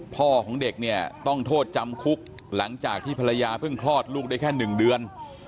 พ่อของเด็กเนี่ยต้องโทษจำคุกหลังจากที่ภรรยาเพิ่งคลอดลูกได้แค่๑เดือน